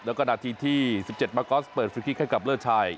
แล้วก็นาทีที่๑๗มากอสเปิดฟรีคลิกให้กับเลิศชัย